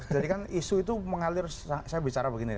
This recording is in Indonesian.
jadi kan isu itu mengalir saya bicara begini